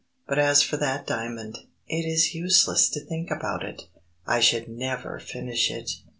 But as for that diamond, it is useless to think about it! I should never finish it!"